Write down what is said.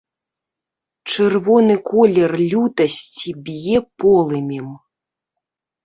Чырвоны колер лютасці б'е полымем.